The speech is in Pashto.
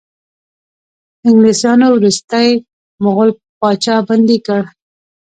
انګلیسانو وروستی مغول پاچا بندي کړ.